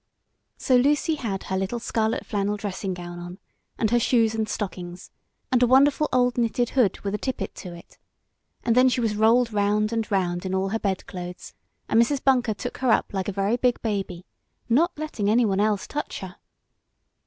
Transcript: So Lucy had her little scarlet flannel dressing gown on, and her shoes and stockings, and a wonderful old knitted hood with a tippet to it, and then she was rolled round and round in all her bed clothes, and Mrs. Bunker took her up like a very big baby, not letting any one else touch her.